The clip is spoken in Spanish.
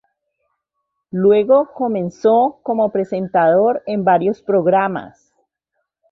Luego comenzó como presentador en varios programas.